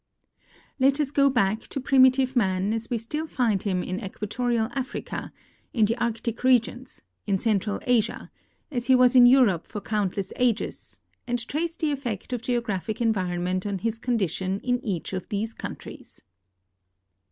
Let us go back to primitive man as we still find him in E.jua torial Africa, in the Arctic regions, in Central Asia, as he was in 164 THE EFFECTS OF GEOGRAPHIC ENVIRONMENT Europe for countless ages, and trace the effect of geographic environment on his condition in each of these countries.